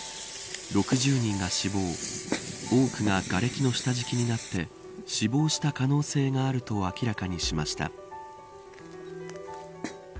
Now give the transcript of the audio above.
６０人が死亡多くががれきの下敷きになって死亡した可能性があると明らかにしました。